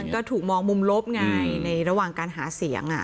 ก็ถูกมองมุมลบไงในระหว่างการหาเสียง